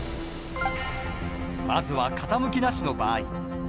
まずは傾きなしの場合。